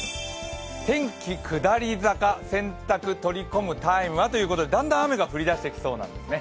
天気下り坂、洗濯取り込むタイムはだんだん雨が降り出してきそうなんですね。